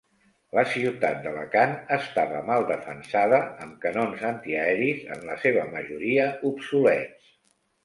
La ciutat d'Alacant estava mal defensada, amb canons antiaeris en la seva majoria obsolets.